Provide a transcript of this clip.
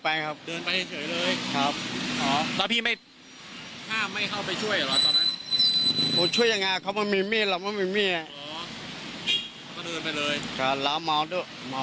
เป็นผู้ชายอายุเท่าไหร่ประมาทเท่าไหร่